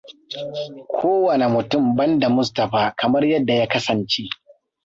Kowane mutum banda Mustaphaaa kamar yadda ya kasance.